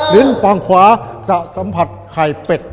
ฝั่งขวาจะสัมผัสไข่เป็ด